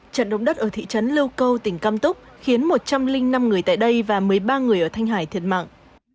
trận động đất ở thị trấn lưu câu tỉnh cam túc khiến một trăm linh năm người tại đây và một mươi ba người ở thanh hải thiệt mạng